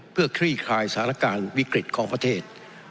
เพื่อคลี่คลายสถานการณ์วิกฤตของประเทศ